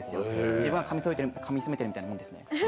自分が髪染めてるみたいなもんですね。